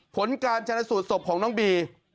ผลการชนะสูตรศพของน้องบี